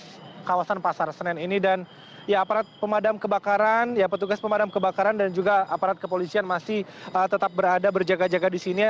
di kawasan pasar senen ini dan ya aparat pemadam kebakaran ya petugas pemadam kebakaran dan juga aparat kepolisian masih tetap berada berjaga jaga di sini